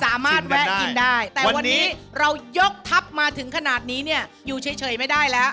แวะกินได้แต่วันนี้เรายกทัพมาถึงขนาดนี้เนี่ยอยู่เฉยไม่ได้แล้ว